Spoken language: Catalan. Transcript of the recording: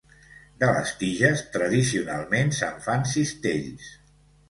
De les tiges tradicionalment se'n fan cistells.